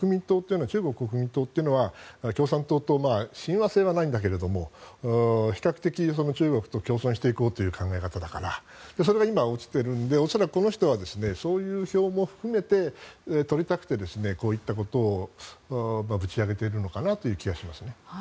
中国国民党というのは共産党と親和性はないんだけど比較的、中国と共存していこうという考え方だからそれが今、落ちているので恐らくこの人はそういう票も含めて取りたくてこういったことをぶち上げているのかなという気がしますね。